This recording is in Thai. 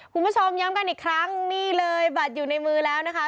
คุณผู้ชมย้ำกันอีกครั้งนี่เลยบัตรอยู่ในมือแล้วนะคะ